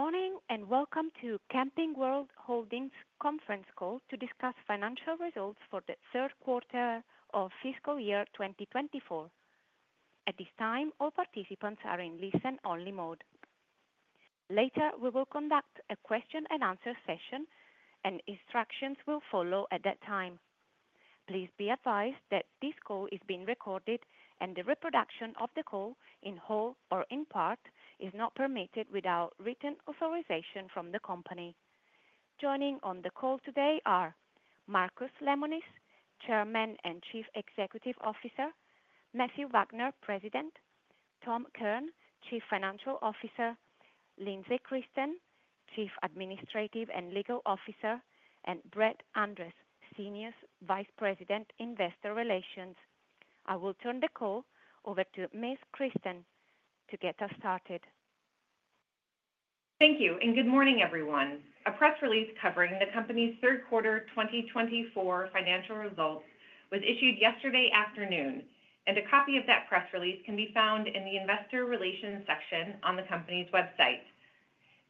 Good morning and welcome to Camping World Holdings' conference call to discuss financial results for the third quarter of fiscal year 2024. At this time, all participants are in listen-only mode. Later, we will conduct a question-and-answer session, and instructions will follow at that time. Please be advised that this call is being recorded, and the reproduction of the call, in whole or in part, is not permitted without written authorization from the company. Joining on the call today are Marcus Lemonis, Chairman and Chief Executive Officer, Matthew Wagner, President, Tom Kirn, Chief Financial Officer, Lindsey Christen, Chief Administrative and Legal Officer, and Brett Andress, Senior Vice President, Investor Relations. I will turn the call over to Ms. Christen to get us started. Thank you, and good morning, everyone. A press release covering the company's third quarter 2024 financial results was issued yesterday afternoon, and a copy of that press release can be found in the Investor Relations section on the company's website.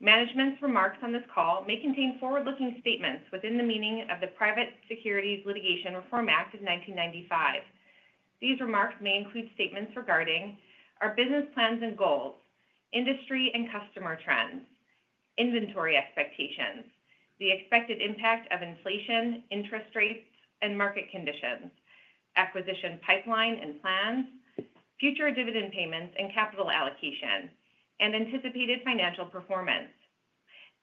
Management's remarks on this call may contain forward-looking statements within the meaning of the Private Securities Litigation Reform Act of 1995. These remarks may include statements regarding our business plans and goals, industry and customer trends, inventory expectations, the expected impact of inflation, interest rates, and market conditions, acquisition pipeline and plans, future dividend payments and capital allocation, and anticipated financial performance.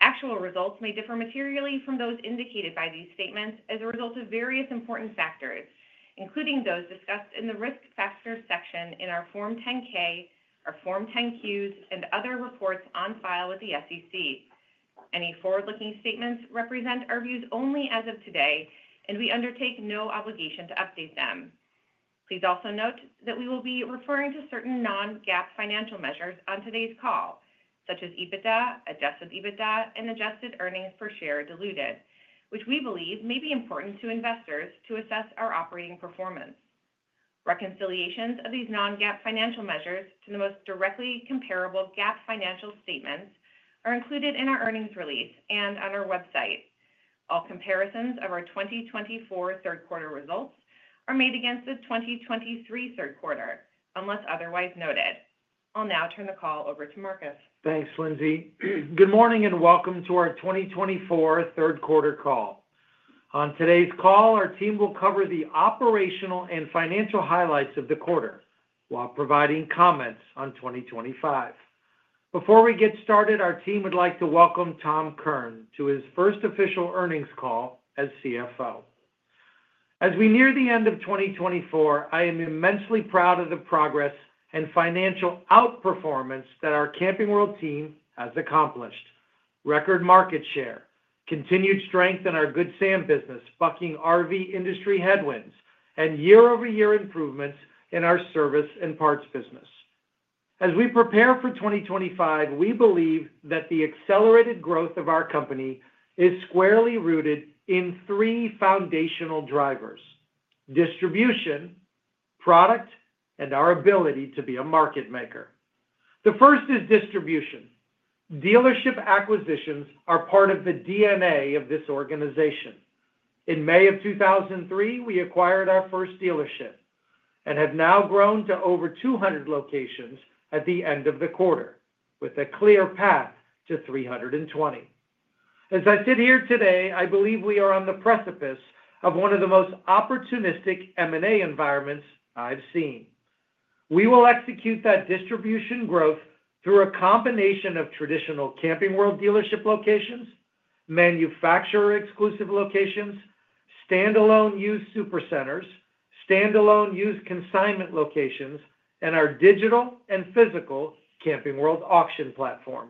Actual results may differ materially from those indicated by these statements as a result of various important factors, including those discussed in the risk factors section in our Form 10-K, our Form 10-Qs, and other reports on file with the SEC. Any forward-looking statements represent our views only as of today, and we undertake no obligation to update them. Please also note that we will be referring to certain Non-GAAP financial measures on today's call, such as EBITDA, Adjusted EBITDA, and Adjusted Earnings Per Share – Diluted, which we believe may be important to investors to assess our operating performance. Reconciliations of these Non-GAAP financial measures to the most directly comparable GAAP financial statements are included in our earnings release and on our website. All comparisons of our 2024 third quarter results are made against the 2023 third quarter, unless otherwise noted. I'll now turn the call over to Marcus. Thanks, Lindsey. Good morning and welcome to our 2024 third quarter call. On today's call, our team will cover the operational and financial highlights of the quarter while providing comments on 2025. Before we get started, our team would like to welcome Tom Kirn to his first official earnings call as CFO. As we near the end of 2024, I am immensely proud of the progress and financial outperformance that our Camping World team has accomplished: record market share, continued strength in our Good Sam business, bucking RV industry headwinds, and year-over-year improvements in our service and parts business. As we prepare for 2025, we believe that the accelerated growth of our company is squarely rooted in three foundational drivers: distribution, product, and our ability to be a market maker. The first is distribution. Dealership acquisitions are part of the DNA of this organization. In May of 2003, we acquired our first dealership and have now grown to over 200 locations at the end of the quarter, with a clear path to 320. As I sit here today, I believe we are on the precipice of one of the most opportunistic M&A environments I've seen. We will execute that distribution growth through a combination of traditional Camping World dealership locations, manufacturer-exclusive locations, standalone used supercenters, standalone used consignment locations, and our digital and physical Camping World auction platform.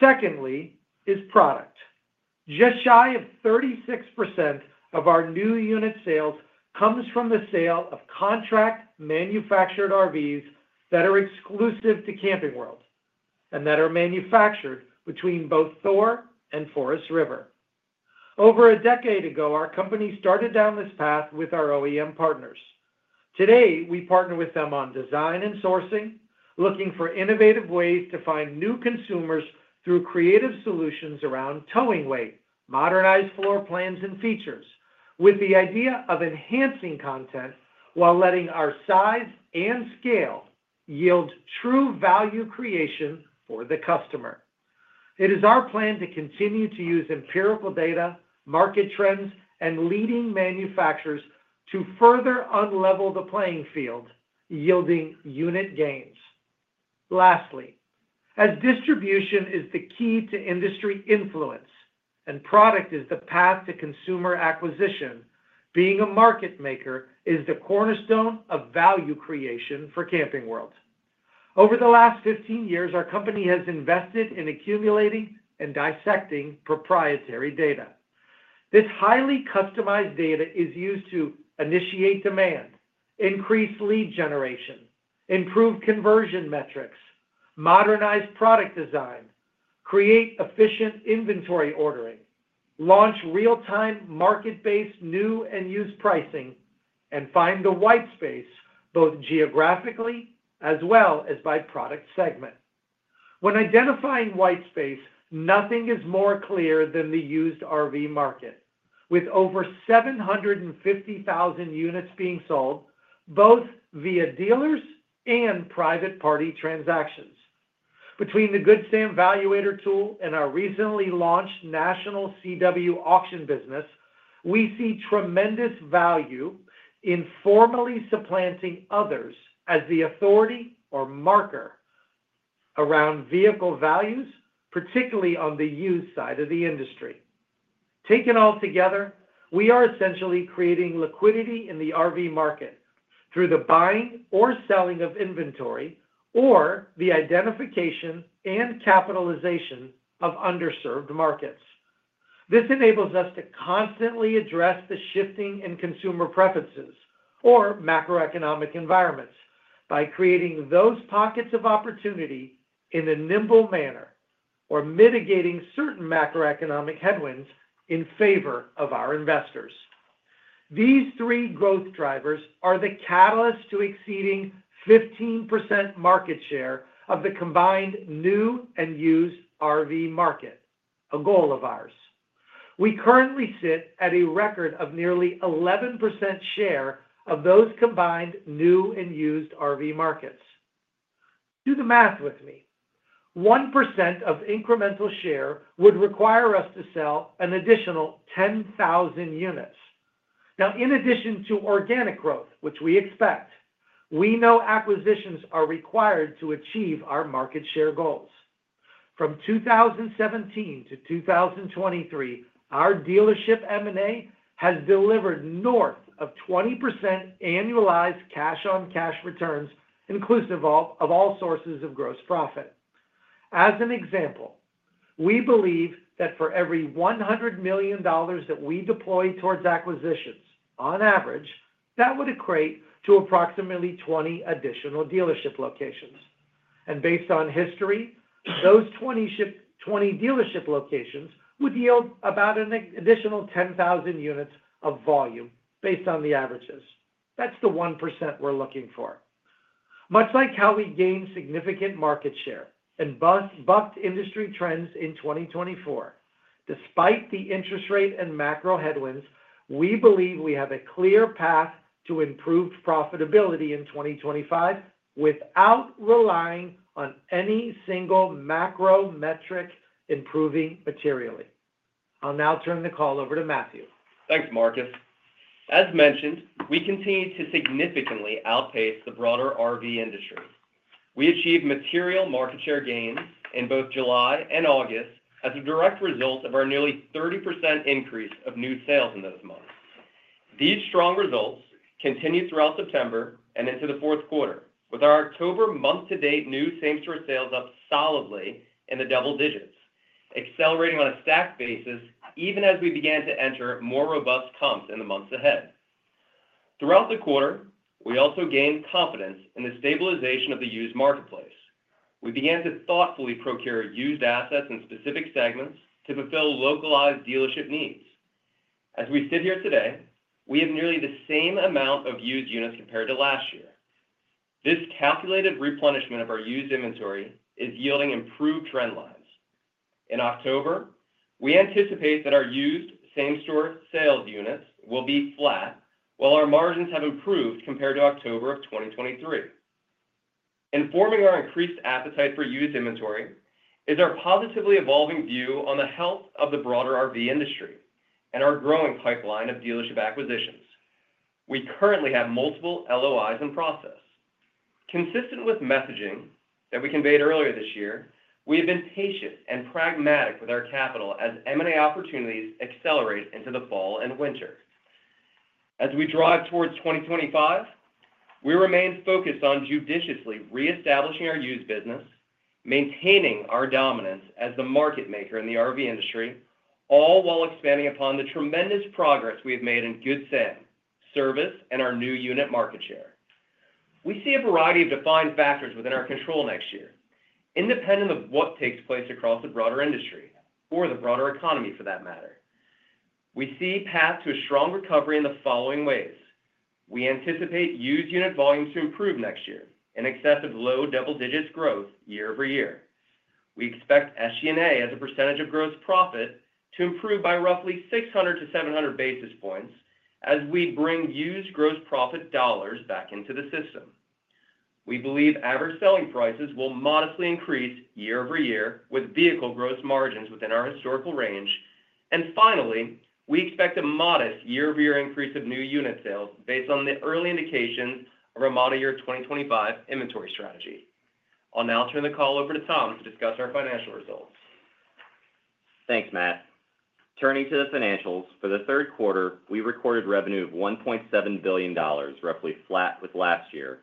Secondly is product. Just shy of 36% of our new unit sales comes from the sale of contract manufactured RVs that are exclusive to Camping World and that are manufactured between both Thor and Forest River. Over a decade ago, our company started down this path with our OEM partners. Today, we partner with them on design and sourcing, looking for innovative ways to find new consumers through creative solutions around towing weight, modernized floor plans, and features, with the idea of enhancing content while letting our size and scale yield true value creation for the customer. It is our plan to continue to use empirical data, market trends, and leading manufacturers to further unlevel the playing field, yielding unit gains. Lastly, as distribution is the key to industry influence and product is the path to consumer acquisition, being a market maker is the cornerstone of value creation for Camping World. Over the last 15 years, our company has invested in accumulating and dissecting proprietary data. This highly customized data is used to initiate demand, increase lead generation, improve conversion metrics, modernize product design, create efficient inventory ordering, launch real-time market-based new and used pricing, and find the white space both geographically as well as by product segment. When identifying white space, nothing is more clear than the used RV market, with over 750,000 units being sold both via dealers and private party transactions. Between the Good Sam Valuator tool and our recently launched national CW Auction business, we see tremendous value in formally supplanting others as the authority or marker around vehicle values, particularly on the used side of the industry. Taken all together, we are essentially creating liquidity in the RV market through the buying or selling of inventory or the identification and capitalization of underserved markets. This enables us to constantly address the shifting in consumer preferences or macroeconomic environments by creating those pockets of opportunity in a nimble manner or mitigating certain macroeconomic headwinds in favor of our investors. These three growth drivers are the catalyst to exceeding 15% market share of the combined new and used RV market, a goal of ours. We currently sit at a record of nearly 11% share of those combined new and used RV markets. Do the math with me. 1% of incremental share would require us to sell an additional 10,000 units. Now, in addition to organic growth, which we expect, we know acquisitions are required to achieve our market share goals. From 2017 to 2023, our dealership M&A has delivered north of 20% annualized cash-on-cash returns, inclusive of all sources of gross profit. As an example, we believe that for every $100 million that we deploy towards acquisitions, on average, that would equate to approximately 20 additional dealership locations, and based on history, those 20 dealership locations would yield about an additional 10,000 units of volume based on the averages. That's the 1% we're looking for. Much like how we gained significant market share and bucked industry trends in 2024, despite the interest rate and macro headwinds, we believe we have a clear path to improved profitability in 2025 without relying on any single macro metric improving materially. I'll now turn the call over to Matthew. Thanks, Marcus. As mentioned, we continue to significantly outpace the broader RV industry. We achieved material market share gains in both July and August as a direct result of our nearly 30% increase of new sales in those months. These strong results continued throughout September and into the fourth quarter, with our October month-to-date new same-store sales up solidly in the double digits, accelerating on a stacked basis even as we began to enter more robust comps in the months ahead. Throughout the quarter, we also gained confidence in the stabilization of the used marketplace. We began to thoughtfully procure used assets in specific segments to fulfill localized dealership needs. As we sit here today, we have nearly the same amount of used units compared to last year. This calculated replenishment of our used inventory is yielding improved trend lines. In October, we anticipate that our used same-store sales units will be flat, while our margins have improved compared to October of 2023. Informing our increased appetite for used inventory is our positively evolving view on the health of the broader RV industry and our growing pipeline of dealership acquisitions. We currently have multiple LOIs in process. Consistent with messaging that we conveyed earlier this year, we have been patient and pragmatic with our capital as M&A opportunities accelerate into the fall and winter. As we drive towards 2025, we remain focused on judiciously reestablishing our used business, maintaining our dominance as the market maker in the RV industry, all while expanding upon the tremendous progress we have made in Good Sam, service, and our new unit market share. We see a variety of defined factors within our control next year, independent of what takes place across the broader industry or the broader economy for that matter. We see a path to a strong recovery in the following ways. We anticipate used unit volumes to improve next year in excess of low double digits growth year-over-year. We expect SG&A as a percentage of gross profit to improve by roughly 600-700 basis points as we bring used gross profit dollars back into the system. We believe average selling prices will modestly increase year-over-year with vehicle gross margins within our historical range. And finally, we expect a modest year-over-year increase of new unit sales based on the early indications of a model year 2025 inventory strategy. I'll now turn the call over to Tom to discuss our financial results. Thanks, Matt. Turning to the financials, for the third quarter, we recorded revenue of $1.7 billion, roughly flat with last year,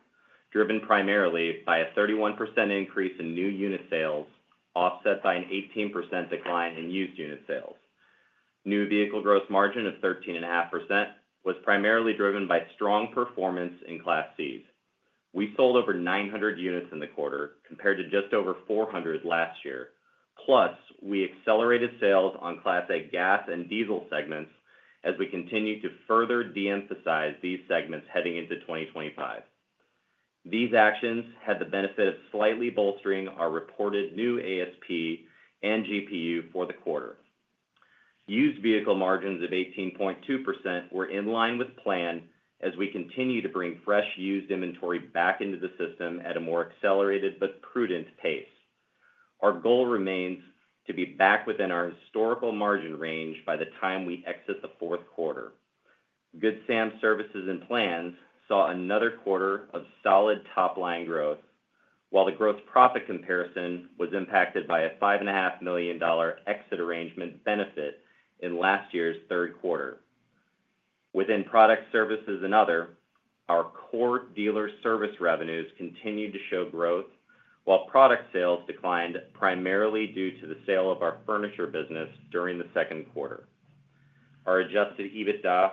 driven primarily by a 31% increase in new unit sales, offset by an 18% decline in used unit sales. New vehicle gross margin of 13.5% was primarily driven by strong performance in Class Cs. We sold over 900 units in the quarter compared to just over 400 last year. Plus, we accelerated sales on Class A gas and diesel segments as we continue to further de-emphasize these segments heading into 2025. These actions had the benefit of slightly bolstering our reported new ASP and GPU for the quarter. Used vehicle margins of 18.2% were in line with plan as we continue to bring fresh used inventory back into the system at a more accelerated but prudent pace. Our goal remains to be back within our historical margin range by the time we exit the fourth quarter. Good Sam Services and Plans saw another quarter of solid top-line growth, while the gross profit comparison was impacted by a $5.5 million exit arrangement benefit in last year's third quarter. Within Product, Service and Other, our core dealer service revenues continued to show growth, while product sales declined primarily due to the sale of our furniture business during the second quarter. Our Adjusted EBITDA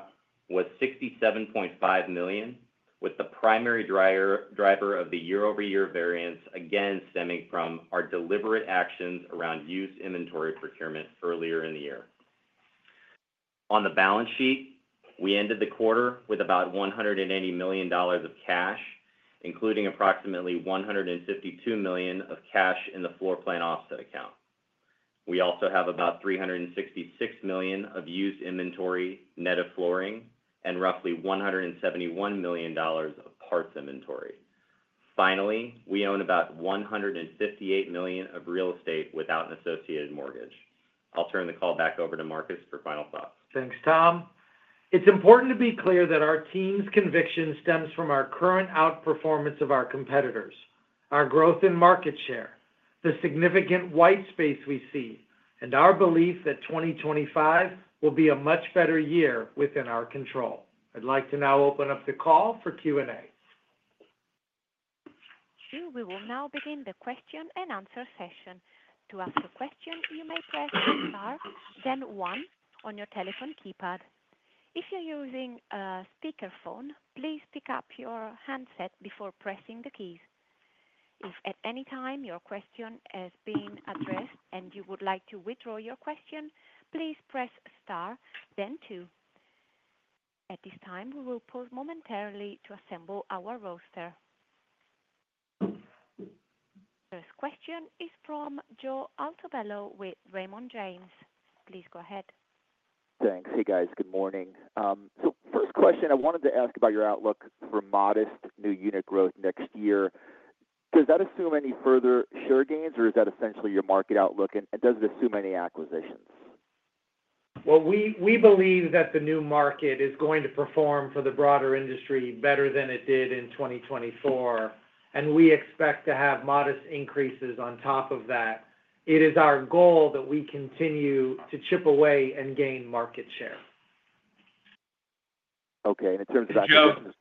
was $67.5 million, with the primary driver of the year-over-year variance again stemming from our deliberate actions around used inventory procurement earlier in the year. On the balance sheet, we ended the quarter with about $180 million of cash, including approximately $152 million of cash in the floor plan offset account. We also have about $366 million of used inventory net of flooring and roughly $171 million of parts inventory. Finally, we own about $158 million of real estate without an associated mortgage. I'll turn the call back over to Marcus for final thoughts. Thanks, Tom. It's important to be clear that our team's conviction stems from our current outperformance of our competitors, our growth in market share, the significant white space we see, and our belief that 2025 will be a much better year within our control. I'd like to now open up the call for Q&A. Sure. We will now begin the question-and-answer session. To ask a question, you may press star, then 1 on your telephone keypad. If you're using a speakerphone, please pick up your handset before pressing the keys. If at any time your question has been addressed and you would like to withdraw your question, please press star, then 2. At this time, we will pause momentarily to assemble our roster. First question is from Joe Altobello with Raymond James. Please go ahead. Thanks. Hey, guys. Good morning. So first question, I wanted to ask about your outlook for modest new unit growth next year. Does that assume any further share gains, or is that essentially your market outlook? And does it assume any acquisitions? We believe that the new year is going to perform for the broader industry better than it did in 2024, and we expect to have modest increases on top of that. It is our goal that we continue to chip away and gain market share. Okay. In terms of acquisitions.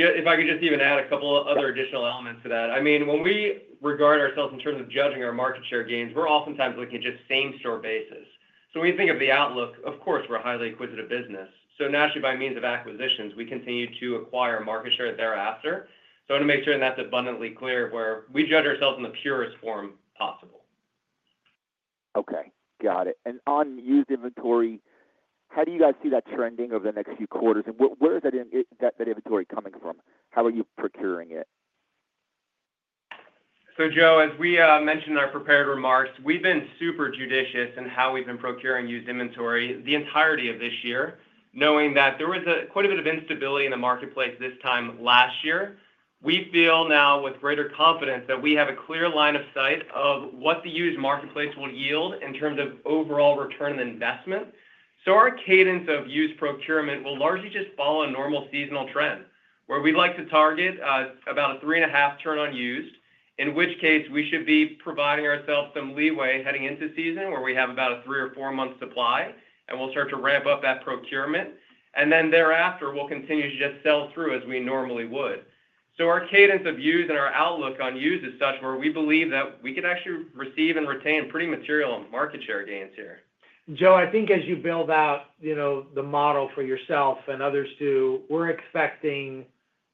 If I could just even add a couple of other additional elements to that. I mean, when we regard ourselves in terms of judging our market share gains, we're oftentimes looking at just same-store basis. So when you think of the outlook, of course, we're a highly acquisitive business. So naturally, by means of acquisitions, we continue to acquire market share thereafter. So I want to make sure that's abundantly clear where we judge ourselves in the purest form possible. Okay. Got it. And on used inventory, how do you guys see that trending over the next few quarters? And where is that inventory coming from? How are you procuring it? So Joe, as we mentioned in our prepared remarks, we've been super judicious in how we've been procuring used inventory the entirety of this year, knowing that there was quite a bit of instability in the marketplace this time last year. We feel now with greater confidence that we have a clear line of sight of what the used marketplace will yield in terms of overall return on investment, so our cadence of used procurement will largely just follow a normal seasonal trend where we'd like to target about a three-and-a-half turn on used, in which case we should be providing ourselves some leeway heading into season where we have about a three- or four-month supply, and we'll start to ramp up that procurement, and then thereafter, we'll continue to just sell through as we normally would. So our cadence of use and our outlook on use is such where we believe that we could actually receive and retain pretty material market share gains here. Joe, I think as you build out the model for yourself and others too, we're expecting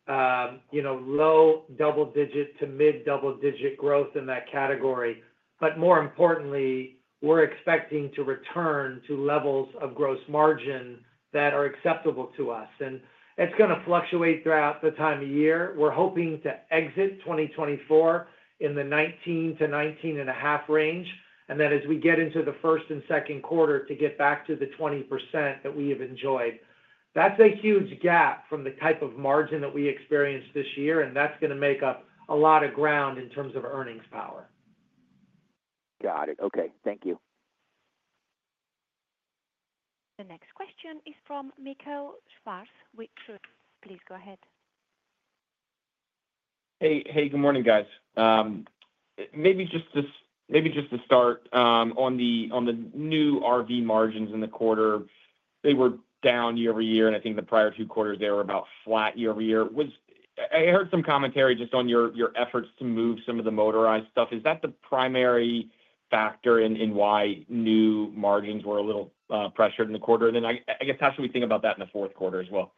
low double-digit to mid-double-digit growth in that category. But more importantly, we're expecting to return to levels of gross margin that are acceptable to us. And it's going to fluctuate throughout the time of year. We're hoping to exit 2024 in the 19%-19.5% range and then as we get into the first and second quarter to get back to the 20% that we have enjoyed. That's a huge gap from the type of margin that we experienced this year, and that's going to make up a lot of ground in terms of earnings power. Got it. Okay. Thank you. The next question is from Michael Swartz with Truist. Please go ahead. Hey, good morning, guys. Maybe just to start, on the new RV margins in the quarter, they were down year-over-year, and I think the prior two quarters, they were about flat year-over-year. I heard some commentary just on your efforts to move some of the motorized stuff. Is that the primary factor in why new margins were a little pressured in the quarter? And then I guess, how should we think about that in the fourth quarter as well?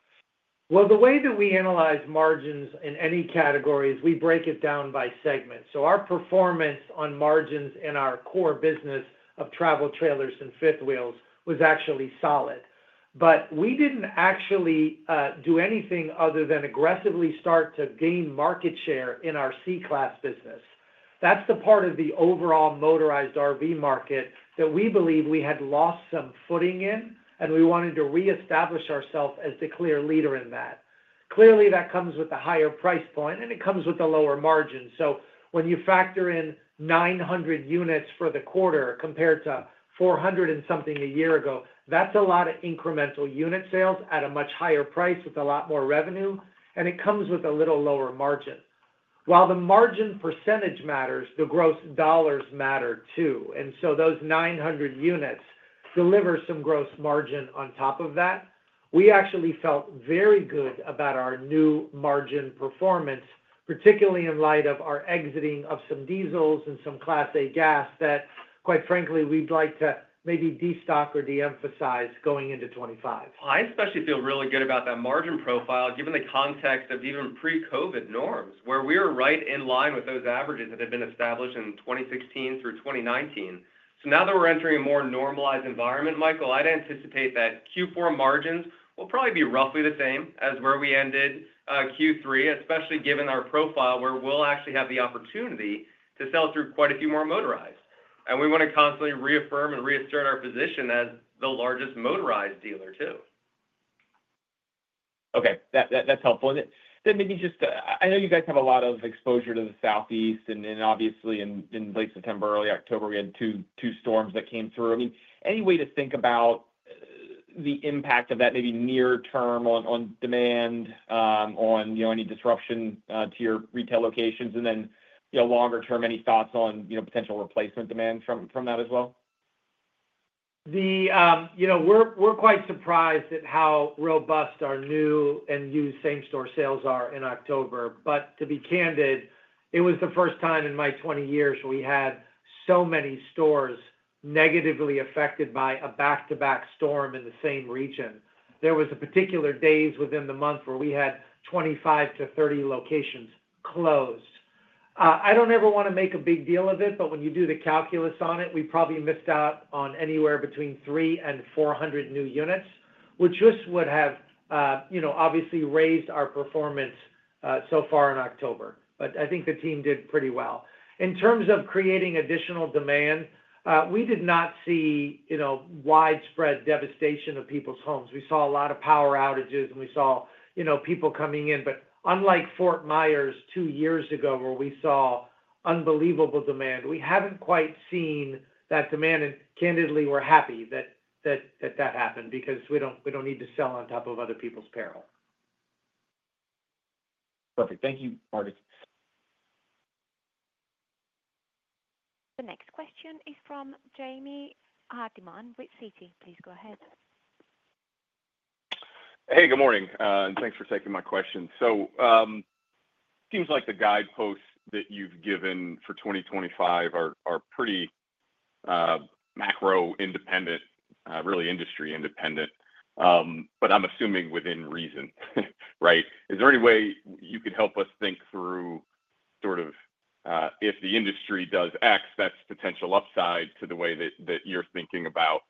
Well, the way that we analyze margins in any category is we break it down by segment. So our performance on margins in our core business of travel trailers and fifth wheels was actually solid. But we didn't actually do anything other than aggressively start to gain market share in our Class C business. That's the part of the overall motorized RV market that we believe we had lost some footing in, and we wanted to reestablish ourselves as the clear leader in that. Clearly, that comes with a higher price point, and it comes with a lower margin. So when you factor in 900 units for the quarter compared to 400 and something a year ago, that's a lot of incremental unit sales at a much higher price with a lot more revenue, and it comes with a little lower margin. While the margin percentage matters, the gross dollars matter too. And so those 900 units deliver some gross margin on top of that. We actually felt very good about our new margin performance, particularly in light of our exiting of some diesels and some Class A gas that, quite frankly, we'd like to maybe destock or de-emphasize going into 2025. I especially feel really good about that margin profile given the context of even pre-COVID norms where we were right in line with those averages that had been established in 2016 through 2019, so now that we're entering a more normalized environment, Michael, I'd anticipate that Q4 margins will probably be roughly the same as where we ended Q3, especially given our profile where we'll actually have the opportunity to sell through quite a few more motorized, and we want to constantly reaffirm and reassert our position as the largest motorized dealer too. Okay. That's helpful. Then maybe just I know you guys have a lot of exposure to the Southeast, and obviously in late September, early October, we had two storms that came through. I mean, any way to think about the impact of that maybe near-term on demand, on any disruption to your retail locations, and then longer-term, any thoughts on potential replacement demand from that as well? We're quite surprised at how robust our new and used same-store sales are in October. But to be candid, it was the first time in my 20 years we had so many stores negatively affected by a back-to-back storm in the same region. There were particular days within the month where we had 25-30 locations closed. I don't ever want to make a big deal of it, but when you do the calculus on it, we probably missed out on anywhere between three and 400 new units, which just would have obviously raised our performance so far in October. But I think the team did pretty well. In terms of creating additional demand, we did not see widespread devastation of people's homes. We saw a lot of power outages, and we saw people coming in. But unlike Fort Myers two years ago where we saw unbelievable demand, we haven't quite seen that demand. And candidly, we're happy that that happened because we don't need to sell on top of other people's peril. Perfect. Thank you, Marcus. The next question is from James Hardiman with Citi. Please go ahead. Hey, good morning. And thanks for taking my question. So it seems like the guideposts that you've given for 2025 are pretty macro-independent, really industry-independent, but I'm assuming within reason, right? Is there any way you could help us think through sort of if the industry does X, that's potential upside to the way that you're thinking about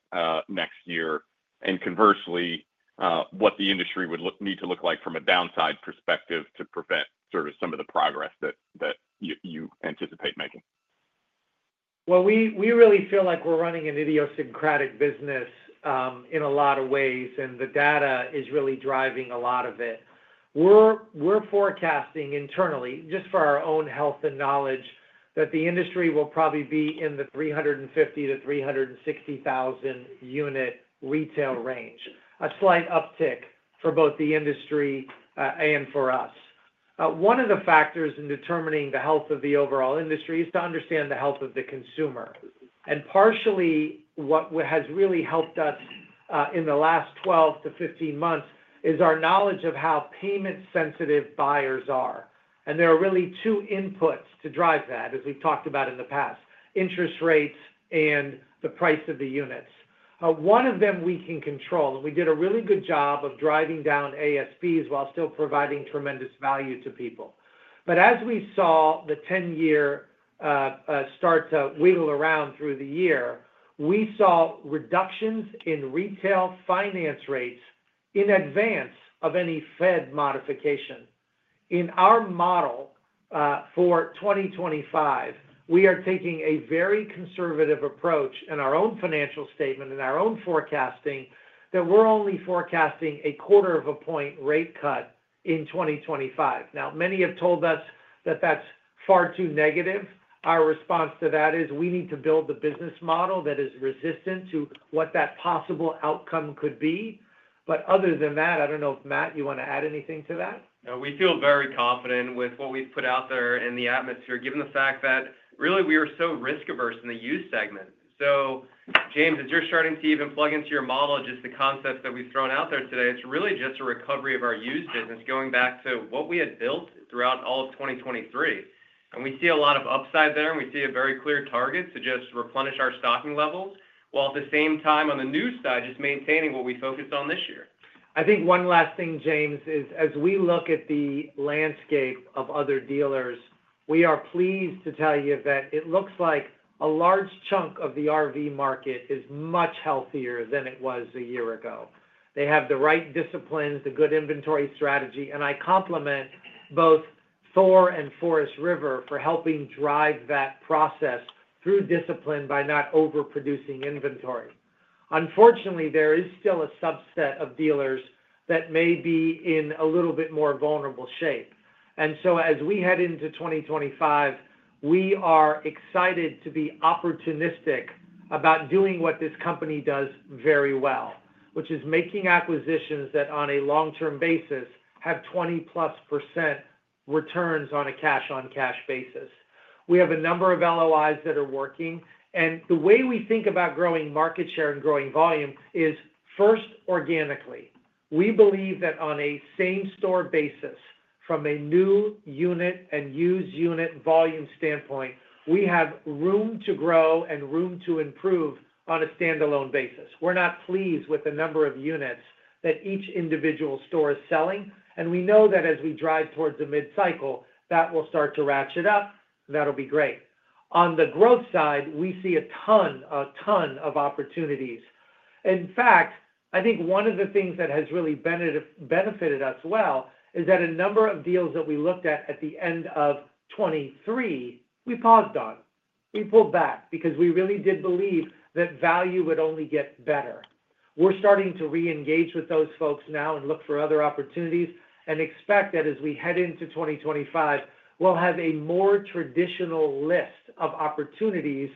next year? And conversely, what the industry would need to look like from a downside perspective to prevent sort of some of the progress that you anticipate making? We really feel like we're running an idiosyncratic business in a lot of ways, and the data is really driving a lot of it. We're forecasting internally, just for our own health and knowledge, that the industry will probably be in the 350,000-360,000-unit retail range, a slight uptick for both the industry and for us. One of the factors in determining the health of the overall industry is to understand the health of the consumer. Partially, what has really helped us in the last 12-15 months is our knowledge of how payment-sensitive buyers are. There are really two inputs to drive that, as we've talked about in the past, interest rates and the price of the units. One of them we can control, and we did a really good job of driving down ASPs while still providing tremendous value to people. But as we saw the 10-year start to wiggle around through the year, we saw reductions in retail finance rates in advance of any Fed modification. In our model for 2025, we are taking a very conservative approach in our own financial statement and our own forecasting that we're only forecasting a quarter of a point rate cut in 2025. Now, many have told us that that's far too negative. Our response to that is we need to build the business model that is resistant to what that possible outcome could be. But other than that, I don't know if, Matt, you want to add anything to that? We feel very confident with what we've put out there in the atmosphere, given the fact that really we were so risk-averse in the used segment. So James, as you're starting to even plug into your model just the concepts that we've thrown out there today, it's really just a recovery of our used business going back to what we had built throughout all of 2023. And we see a lot of upside there, and we see a very clear target to just replenish our stocking levels while at the same time, on the new side, just maintaining what we focused on this year. I think one last thing, James, is as we look at the landscape of other dealers, we are pleased to tell you that it looks like a large chunk of the RV market is much healthier than it was a year ago. They have the right disciplines, the good inventory strategy. And I compliment both Thor and Forest River for helping drive that process through discipline by not overproducing inventory. Unfortunately, there is still a subset of dealers that may be in a little bit more vulnerable shape. And so as we head into 2025, we are excited to be opportunistic about doing what this company does very well, which is making acquisitions that on a long-term basis have 20%+ returns on a cash-on-cash basis. We have a number of LOIs that are working. And the way we think about growing market share and growing volume is first organically. We believe that on a same-store basis, from a new unit and used unit volume standpoint, we have room to grow and room to improve on a standalone basis. We're not pleased with the number of units that each individual store is selling, and we know that as we drive towards the mid-cycle, that will start to ratchet up, and that'll be great. On the growth side, we see a ton of opportunities. In fact, I think one of the things that has really benefited us well is that a number of deals that we looked at at the end of 2023, we paused on. We pulled back because we really did believe that value would only get better. We're starting to reengage with those folks now and look for other opportunities and expect that as we head into 2025, we'll have a more traditional list of opportunities,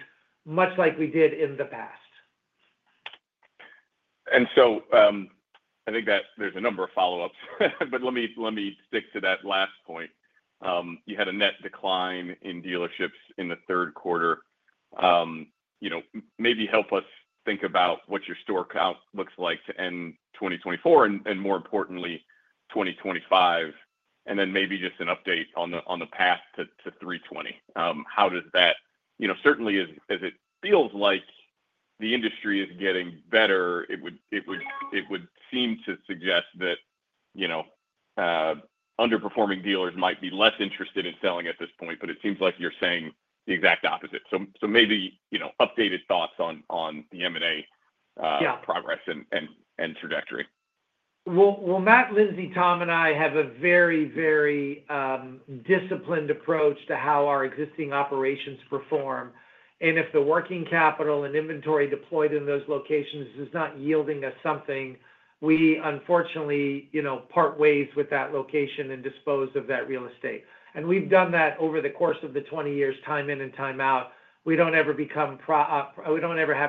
much like we did in the past. And so I think that there's a number of follow-ups, but let me stick to that last point. You had a net decline in dealerships in the third quarter. Maybe help us think about what your store count looks like to end 2024 and, more importantly, 2025. And then maybe just an update on the path to 320. How does that? Certainly, as it feels like the industry is getting better, it would seem to suggest that underperforming dealers might be less interested in selling at this point, but it seems like you're saying the exact opposite. So maybe updated thoughts on the M&A progress and trajectory. Matt, Lindsey, Tom, and I have a very, very disciplined approach to how our existing operations perform. And if the working capital and inventory deployed in those locations is not yielding us something, we unfortunately part ways with that location and dispose of that real estate. And we've done that over the course of the 20 years, time in and time out. We don't ever have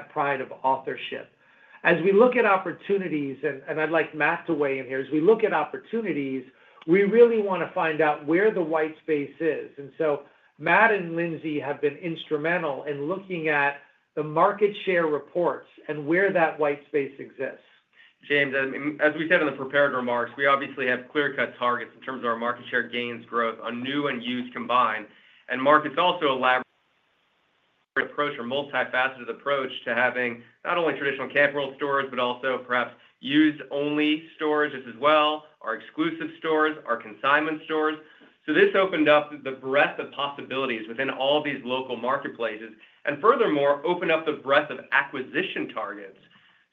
pride of authorship. As we look at opportunities, and I'd like Matt to weigh in here, we really want to find out where the white space is. And so Matt and Lindsey have been instrumental in looking at the market share reports and where that white space exists. James, as we said in the prepared remarks, we obviously have clear-cut targets in terms of our market share gains, growth on new and used combined, and Marc has also elaborated on the approach, our multifaceted approach to having not only traditional Camping World stores, but also perhaps used-only stores just as well, our exclusive stores, our consignment stores, so this opened up the breadth of possibilities within all these local marketplaces and furthermore opened up the breadth of acquisition targets,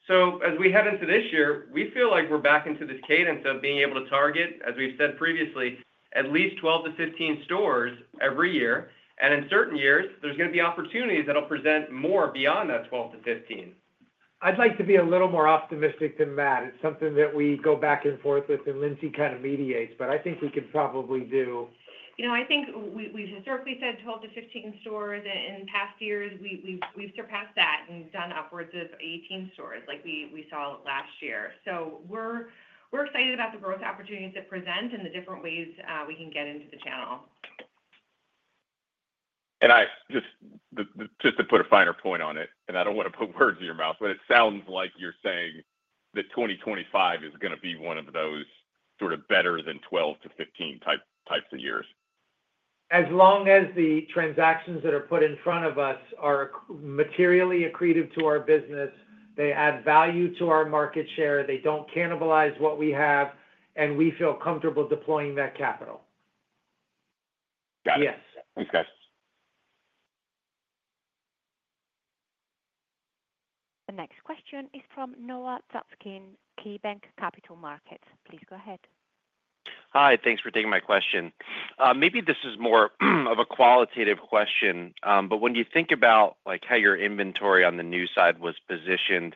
so as we head into this year, we feel like we're back into this cadence of being able to target, as we've said previously, at least 12-15 stores every year, and in certain years, there's going to be opportunities that'll present more beyond that 12-15. I'd like to be a little more optimistic than that. It's something that we go back and forth with, and Lindsey kind of mediates, but I think we can probably do. I think we've historically said 12-15 stores. In past years, we've surpassed that and done upwards of 18 stores like we saw last year. So we're excited about the growth opportunities that present and the different ways we can get into the channel. Just to put a finer point on it, and I don't want to put words in your mouth, but it sounds like you're saying that 2025 is going to be one of those sort of better-than-12-to-15 types of years. As long as the transactions that are put in front of us are materially accretive to our business, they add value to our market share, they don't cannibalize what we have, and we feel comfortable deploying that capital. Got it. Yes. Thanks, guys. The next question is from Noah Zatzkin, KeyBank Capital Markets. Please go ahead. Hi. Thanks for taking my question. Maybe this is more of a qualitative question, but when you think about how your inventory on the new side was positioned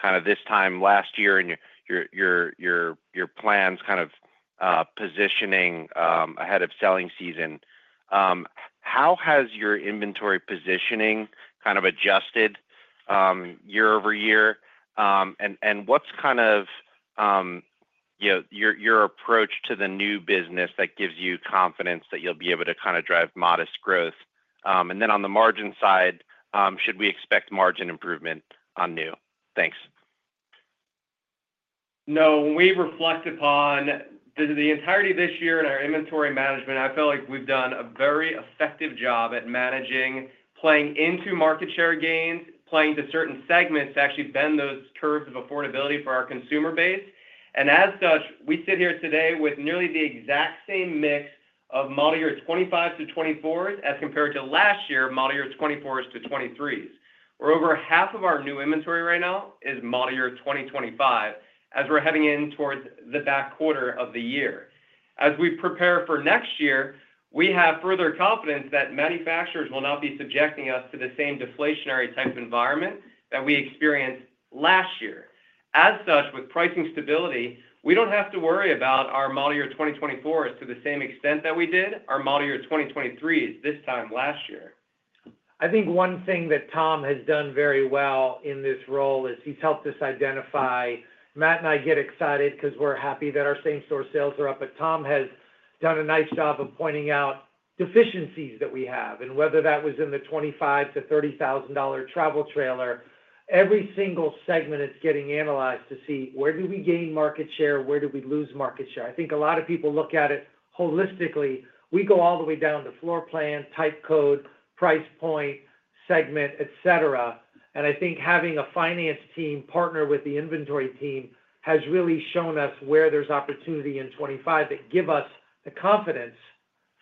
kind of this time last year and your plans kind of positioning ahead of selling season, how has your inventory positioning kind of adjusted year-over-year? And what's kind of your approach to the new business that gives you confidence that you'll be able to kind of drive modest growth? And then on the margin side, should we expect margin improvement on new? Thanks. No. When we reflect upon the entirety of this year and our inventory management, I feel like we've done a very effective job at managing, playing into market share gains, playing to certain segments to actually bend those curves of affordability for our consumer base. And as such, we sit here today with nearly the exact same mix of model year 2025s to 2024s as compared to last year's model year 2024s to 2023s. We're over half of our new inventory right now is model year 2025 as we're heading in towards the back quarter of the year. As we prepare for next year, we have further confidence that manufacturers will not be subjecting us to the same deflationary type of environment that we experienced last year. As such, with pricing stability, we don't have to worry about our model year 2024s to the same extent that we did our model year 2023s this time last year. I think one thing that Tom has done very well in this role is he's helped us identify Matt and I get excited because we're happy that our same-store sales are up, but Tom has done a nice job of pointing out deficiencies that we have, and whether that was in the $25,000-$30,000 travel trailer, every single segment is getting analyzed to see where do we gain market share, where do we lose market share. I think a lot of people look at it holistically. We go all the way down to floor plan, type code, price point, segment, etc. I think having a finance team partner with the inventory team has really shown us where there's opportunity in 2025 that give us the confidence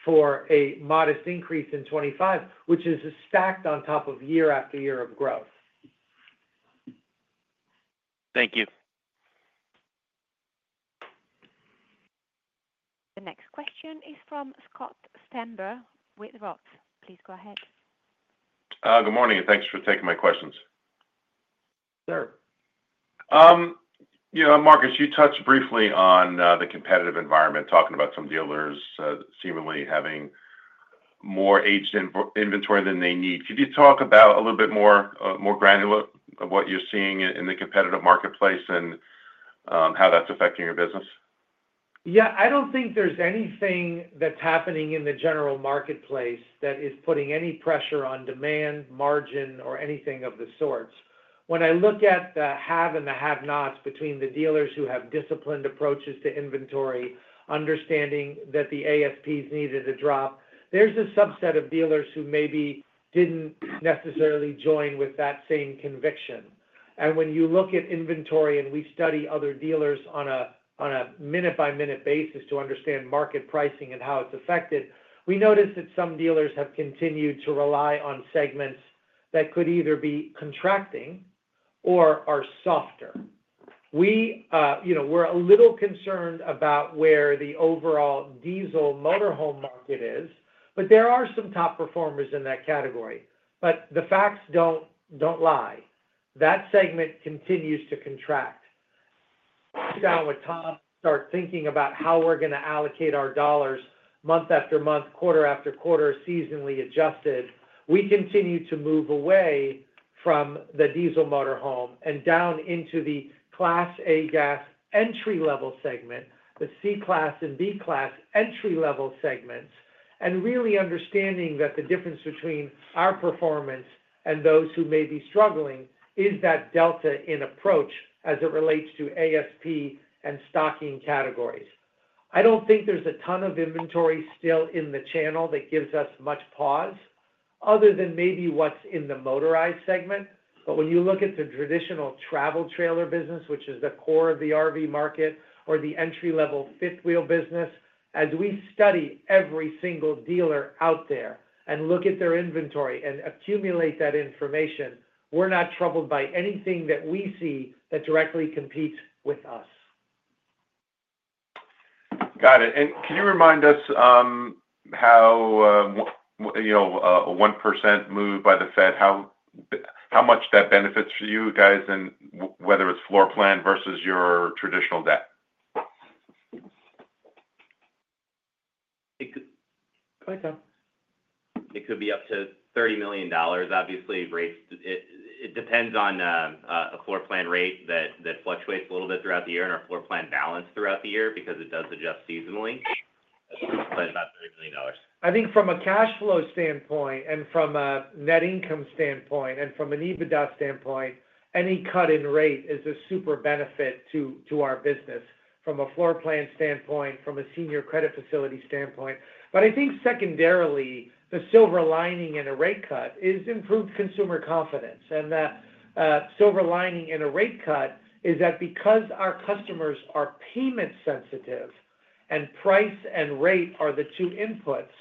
for a modest increase in 2025, which is stacked on top of year after year of growth. Thank you. The next question is from Scott Stember with Roth MKM. Please go ahead. Good morning, and thanks for taking my questions. Sure. Marcus, you touched briefly on the competitive environment, talking about some dealers seemingly having more aged inventory than they need. Could you talk about a little bit more granular of what you're seeing in the competitive marketplace and how that's affecting your business? Yeah. I don't think there's anything that's happening in the general marketplace that is putting any pressure on demand, margin, or anything of the sorts. When I look at the have and the have-nots between the dealers who have disciplined approaches to inventory, understanding that the ASPs needed a drop, there's a subset of dealers who maybe didn't necessarily join with that same conviction. And when you look at inventory and we study other dealers on a minute-by-minute basis to understand market pricing and how it's affected, we notice that some dealers have continued to rely on segments that could either be contracting or are softer. We're a little concerned about where the overall diesel motorhome market is, but there are some top performers in that category. But the facts don't lie. That segment continues to contract. I sat down with Tom and started thinking about how we're going to allocate our dollars month after month, quarter after quarter, seasonally adjusted. We continue to move away from the diesel motorhome and down into the Class A gas entry-level segment, the Class C and Class B entry-level segments, and really understanding that the difference between our performance and those who may be struggling is that delta in approach as it relates to ASP and stocking categories. I don't think there's a ton of inventory still in the channel that gives us much pause other than maybe what's in the motorized segment. But when you look at the traditional travel trailer business, which is the core of the RV market or the entry-level fifth-wheel business, as we study every single dealer out there and look at their inventory and accumulate that information, we're not troubled by anything that we see that directly competes with us. Got it. And can you remind us how a 1% move by the Fed, how much that benefits for you guys and whether it's floor plan versus your traditional debt? It could be up to $30 million, obviously. It depends on a floor plan rate that fluctuates a little bit throughout the year and our floor plan balance throughout the year because it does adjust seasonally. But about $30 million. I think from a cash flow standpoint and from a net income standpoint and from an EBITDA standpoint, any cut in rate is a super benefit to our business from a floor plan standpoint, from a senior credit facility standpoint. But I think secondarily, the silver lining in a rate cut is improved consumer confidence. And the silver lining in a rate cut is that because our customers are payment sensitive and price and rate are the two inputs,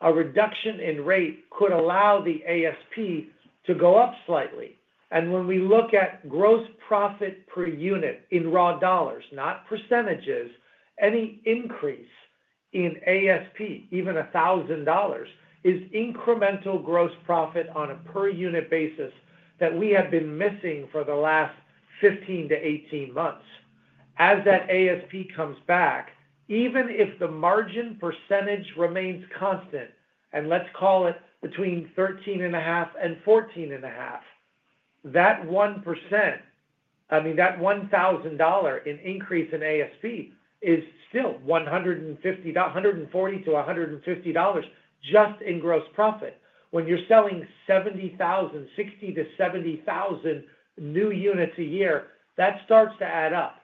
a reduction in rate could allow the ASP to go up slightly. And when we look at gross profit per unit in raw dollars, not percentages, any increase in ASP, even $1,000, is incremental gross profit on a per-unit basis that we have been missing for the last 15-18 months. As that ASP comes back, even if the margin percentage remains constant, and let's call it between 13.5% and 14.5%, that 1%, I mean, that $1,000 in increase in ASP is still $140-$150 just in gross profit. When you're selling 60,000-70,000 new units a year, that starts to add up.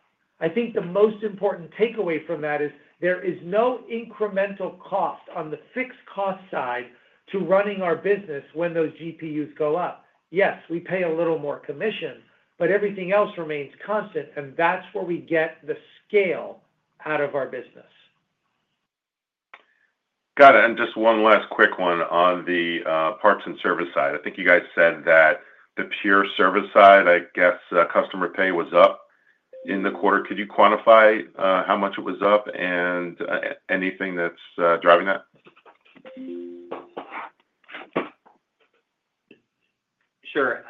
I think the most important takeaway from that is there is no incremental cost on the fixed cost side to running our business when those GPUs go up. Yes, we pay a little more commission, but everything else remains constant, and that's where we get the scale out of our business. Got it. And just one last quick one on the parts and service side. I think you guys said that the pure service side, I guess customer pay was up in the quarter. Could you quantify how much it was up and anything that's driving that? Sure.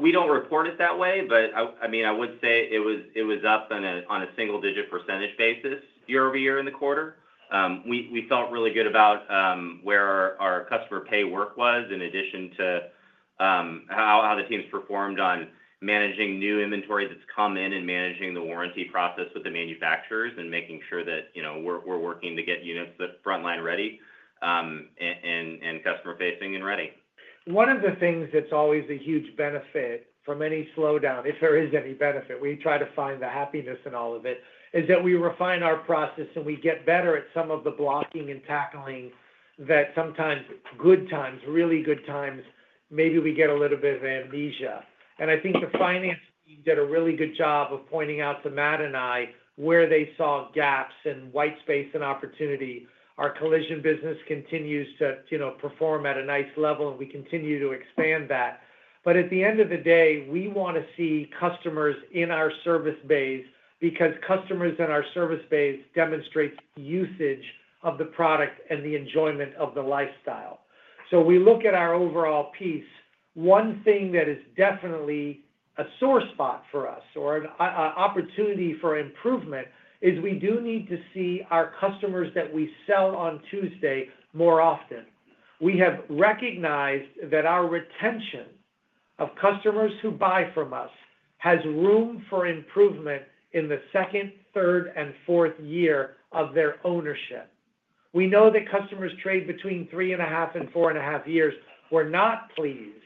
We don't report it that way, but I mean, I would say it was up on a single-digit percentage basis year-over-year in the quarter. We felt really good about where our customer pay work was in addition to how the teams performed on managing new inventory that's come in and managing the warranty process with the manufacturers and making sure that we're working to get units that frontline ready and customer-facing and ready. One of the things that's always a huge benefit from any slowdown, if there is any benefit, we try to find the happiness in all of it, is that we refine our process and we get better at some of the blocking and tackling that sometimes good times, really good times, maybe we get a little bit of amnesia. And I think the finance team did a really good job of pointing out to Matt and I where they saw gaps in white space and opportunity. Our collision business continues to perform at a nice level, and we continue to expand that. But at the end of the day, we want to see customers in our service base because customers in our service base demonstrate usage of the product and the enjoyment of the lifestyle. So we look at our overall piece. One thing that is definitely a sore spot for us or an opportunity for improvement is we do need to see our customers that we sell on Tuesday more often. We have recognized that our retention of customers who buy from us has room for improvement in the second, third, and fourth year of their ownership. We know that customers trade between three and a half and four and a half years. We're not pleased.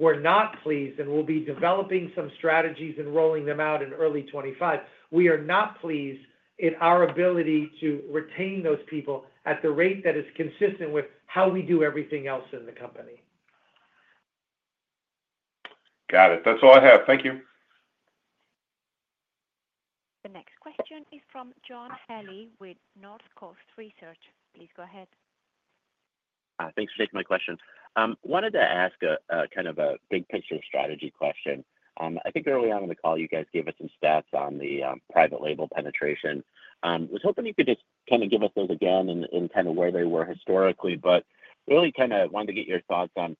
We're not pleased, and we'll be developing some strategies and rolling them out in early 2025. We are not pleased in our ability to retain those people at the rate that is consistent with how we do everything else in the company. Got it. That's all I have. Thank you. The next question is from John Healy with North Coast Research. Please go ahead. Thanks for taking my question. Wanted to ask kind of a big-picture strategy question. I think early on in the call, you guys gave us some stats on the private label penetration. I was hoping you could just kind of give us those again and kind of where they were historically, but really kind of wanted to get your thoughts on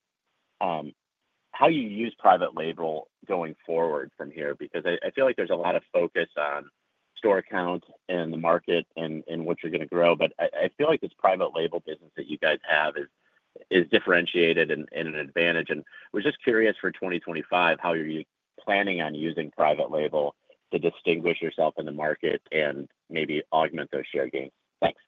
how you use private label going forward from here because I feel like there's a lot of focus on store counts and the market and what you're going to grow. But I feel like this private label business that you guys have is differentiated and an advantage. And we're just curious for 2025, how are you planning on using private label to distinguish yourself in the market and maybe augment those share gains? Thanks.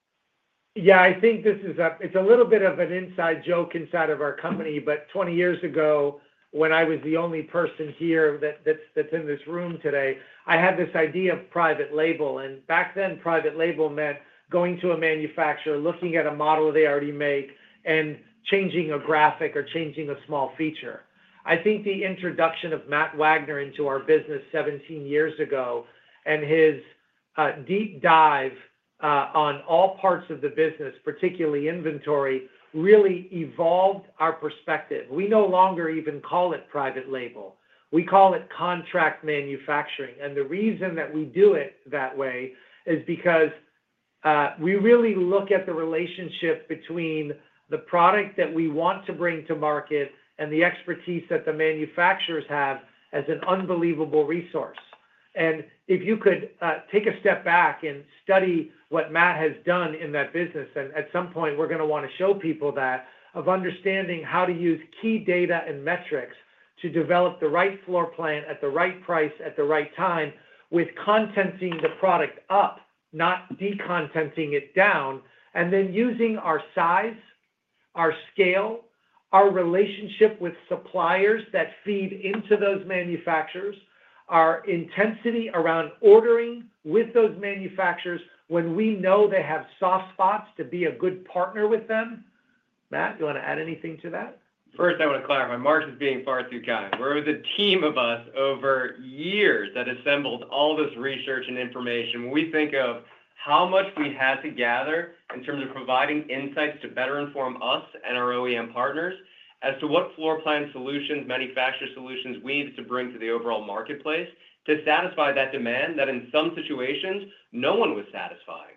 Yeah. I think this is, it's a little bit of an inside joke inside of our company, but 20 years ago, when I was the only person here that's in this room today, I had this idea of private label. And back then, private label meant going to a manufacturer, looking at a model they already make, and changing a graphic or changing a small feature. I think the introduction of Matt Wagner into our business 17 years ago and his deep dive on all parts of the business, particularly inventory, really evolved our perspective. We no longer even call it private label. We call it contract manufacturing. And the reason that we do it that way is because we really look at the relationship between the product that we want to bring to market and the expertise that the manufacturers have as an unbelievable resource. If you could take a step back and study what Matt has done in that business, and at some point, we're going to want to show people that of understanding how to use key data and metrics to develop the right floor plan at the right price at the right time with contenting the product up, not decontenting it down, and then using our size, our scale, our relationship with suppliers that feed into those manufacturers, our intensity around ordering with those manufacturers when we know they have soft spots to be a good partner with them. Matt, do you want to add anything to that? First, I want to clarify. Marcus is being far too kind. We're with a team of us over years that assembled all this research and information. We think of how much we had to gather in terms of providing insights to better inform us and our OEM partners as to what floor plan solutions, manufacturer solutions we needed to bring to the overall marketplace to satisfy that demand that in some situations, no one was satisfying.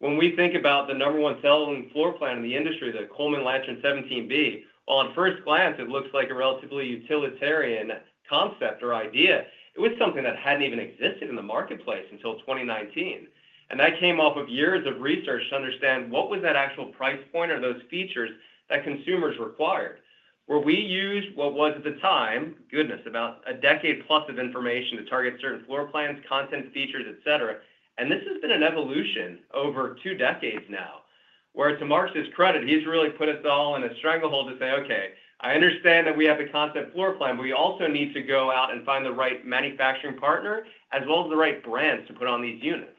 When we think about the number one selling floor plan in the industry, the Coleman Lantern 17B, while at first glance, it looks like a relatively utilitarian concept or idea, it was something that hadn't even existed in the marketplace until 2019, and that came off of years of research to understand what was that actual price point or those features that consumers required. Where we used what was at the time, goodness, about a decade-plus of information to target certain floor plans, content features, etc. And this has been an evolution over two decades now. Where to Marcus's credit, he's really put us all in a stranglehold to say, "Okay, I understand that we have a content floor plan, but we also need to go out and find the right manufacturing partner as well as the right brands to put on these units."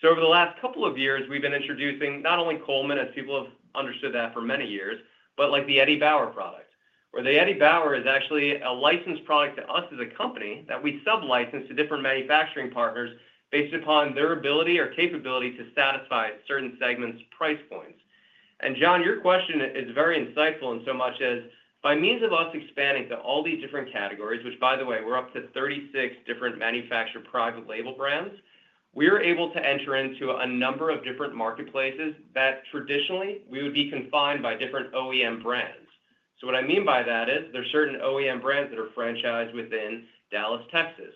So over the last couple of years, we've been introducing not only Coleman as people have understood that for many years, but the Eddie Bauer product. Where the Eddie Bauer is actually a licensed product to us as a company that we sub-license to different manufacturing partners based upon their ability or capability to satisfy certain segments' price points. And John, your question is very insightful in so much as by means of us expanding to all these different categories, which by the way, we're up to 36 different manufactured private label brands, we are able to enter into a number of different marketplaces that traditionally, we would be confined by different OEM brands. So what I mean by that is there are certain OEM brands that are franchised within Dallas, Texas.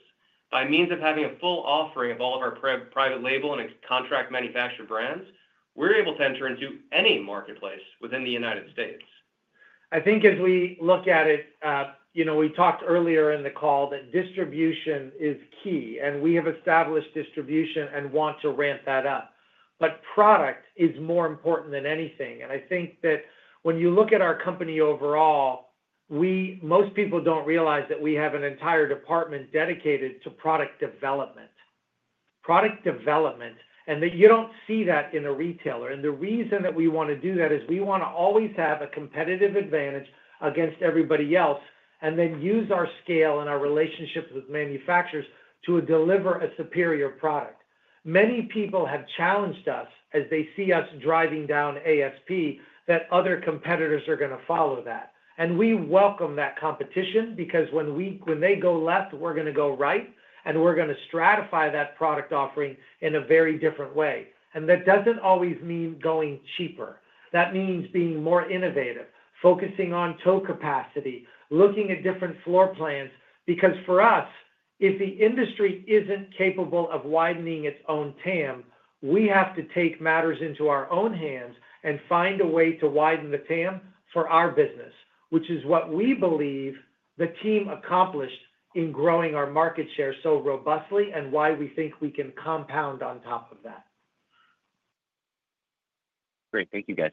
By means of having a full offering of all of our private label and contract manufactured brands, we're able to enter into any marketplace within the United States. I think as we look at it, we talked earlier in the call that distribution is key, and we have established distribution and want to ramp that up. But product is more important than anything. And I think that when you look at our company overall, most people don't realize that we have an entire department dedicated to product development. Product development, and that you don't see that in a retailer. And the reason that we want to do that is we want to always have a competitive advantage against everybody else and then use our scale and our relationships with manufacturers to deliver a superior product. Many people have challenged us as they see us driving down ASP that other competitors are going to follow that. And we welcome that competition because when they go left, we're going to go right, and we're going to stratify that product offering in a very different way. And that doesn't always mean going cheaper. That means being more innovative, focusing on tow capacity, looking at different floor plans because for us, if the industry isn't capable of widening its own TAM, we have to take matters into our own hands and find a way to widen the TAM for our business, which is what we believe the team accomplished in growing our market share so robustly and why we think we can compound on top of that. Great. Thank you, guys.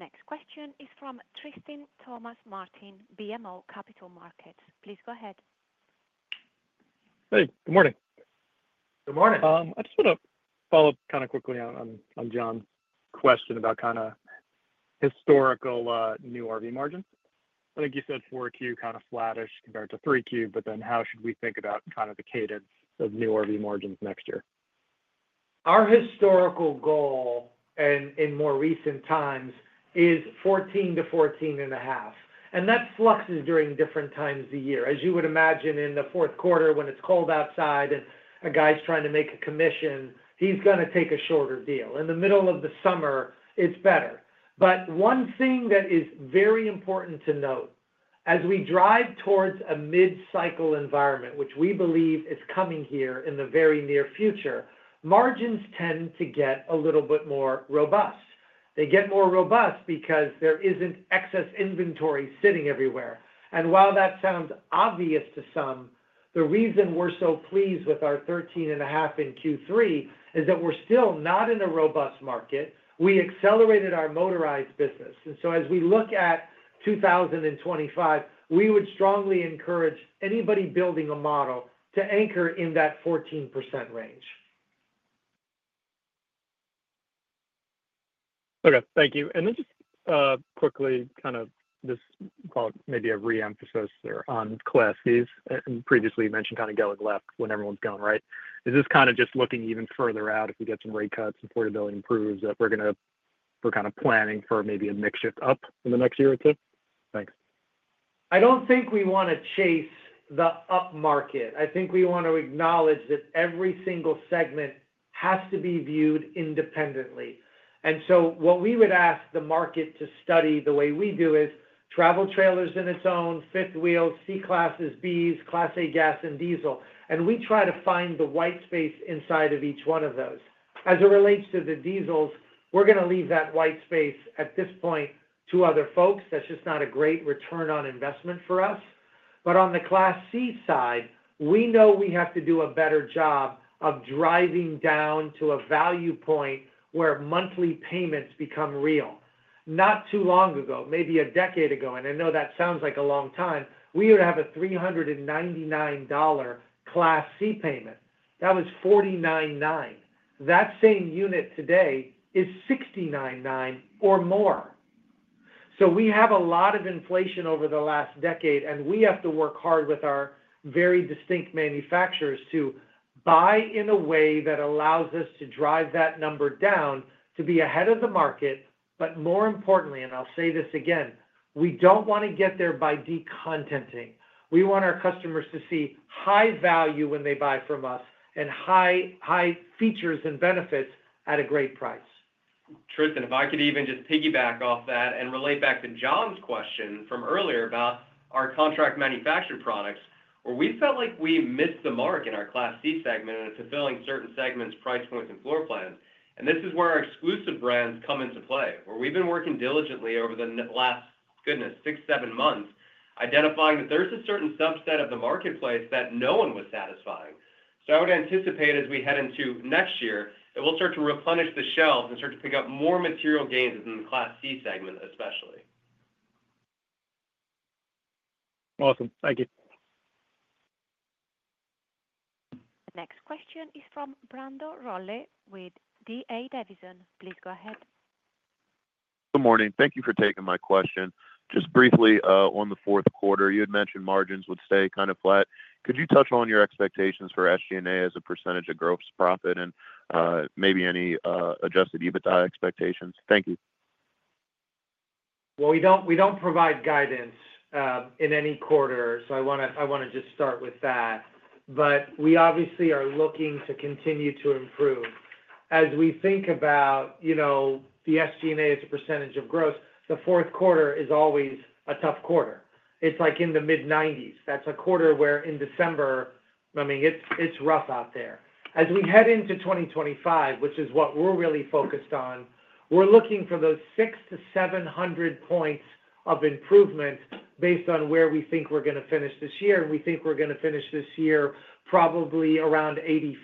The next question is from Tristan Thomas-Martin, BMO Capital Markets. Please go ahead. Hey. Good morning. Good morning. I just want to follow up kind of quickly on John's question about kind of historical new RV margins. I think you said 4Q kind of flattish compared to 3Q, but then how should we think about kind of the cadence of new RV margins next year? Our historical goal in more recent times is 14-14.5 That fluctuates during different times of the year. As you would imagine in the fourth quarter when it's cold outside and a guy's trying to make a commission, he's going to take a shorter deal. In the middle of the summer, it's better. One thing that is very important to note, as we drive towards a mid-cycle environment, which we believe is coming here in the very near future, margins tend to get a little bit more robust. They get more robust because there isn't excess inventory sitting everywhere. While that sounds obvious to some, the reason we're so pleased with our 13 and a half in Q3 is that we're still not in a robust market. We accelerated our motorized business. As we look at 2025, we would strongly encourage anybody building a model to anchor in that 14% range. Okay. Thank you. And then just quickly kind of this may be a re-emphasis on Class A's. And previously you mentioned kind of selling left when everyone's gone, right? Is this kind of just looking even further out if we get some rate cuts and affordability improves that we're kind of planning for maybe a mix shift up in the next year or two? Thanks. I don't think we want to chase the up market. I think we want to acknowledge that every single segment has to be viewed independently, and so what we would ask the market to study the way we do is travel trailers on its own, fifth-wheel, Class C's, B's, Class A gas, and diesel. And we try to find the white space inside of each one of those. As it relates to the diesels, we're going to leave that white space at this point to other folks. That's just not a great return on investment for us. But on the Class C side, we know we have to do a better job of driving down to a value point where monthly payments become real. Not too long ago, maybe a decade ago, and I know that sounds like a long time, we would have a $399 Class C payment. That was $499. That same unit today is $699 or more. So we have a lot of inflation over the last decade, and we have to work hard with our very distinct manufacturers to buy in a way that allows us to drive that number down to be ahead of the market. But more importantly, and I'll say this again, we don't want to get there by decontenting. We want our customers to see high value when they buy from us and high features and benefits at a great price. Tristan, if I could even just piggyback off that and relate back to John's question from earlier about our contract manufactured products, where we felt like we missed the mark in our Class C segment in fulfilling certain segments, price points, and floor plans. And this is where our exclusive brands come into play, where we've been working diligently over the last, goodness, six, seven months, identifying that there's a certain subset of the marketplace that no one was satisfying. So I would anticipate as we head into next year that we'll start to replenish the shelves and start to pick up more material gains in the Class C segment, especially. Awesome. Thank you. The next question is from Brandon Rolle with D.A. Davidson. Please go ahead. Good morning. Thank you for taking my question. Just briefly, on the fourth quarter, you had mentioned margins would stay kind of flat. Could you touch on your expectations for SG&A as a percentage of gross profit and maybe any Adjusted EBITDA expectations? Thank you. We don't provide guidance in any quarter, so I want to just start with that. But we obviously are looking to continue to improve. As we think about the SG&A as a percentage of gross, the fourth quarter is always a tough quarter. It's like in the mid-90s. That's a quarter where in December, I mean, it's rough out there. As we head into 2025, which is what we're really focused on, we're looking for those 600-700 points of improvement based on where we think we're going to finish this year. And we think we're going to finish this year probably around